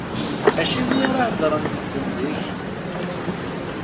Acimi ara heddren medden deg-k?